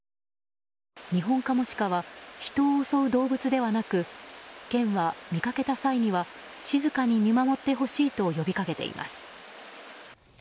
ニホンカモシカは人を襲う動物ではなく県は、見かけた際には静かに見守ってほしいと呼びかけています。